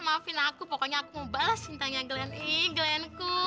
maafin aku pokoknya aku mau balas cintanya glenn